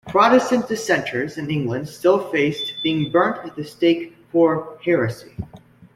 Protestant dissenters in England still faced being burnt at the stake for 'Heresy'.